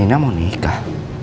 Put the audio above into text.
nenek mau nikah